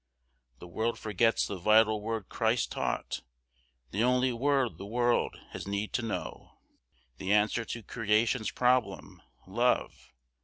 The world forgets the vital word Christ taught; The only word the world has need to know: The answer to creation's problem—Love.